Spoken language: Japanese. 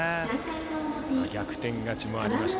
逆転勝ちもありました。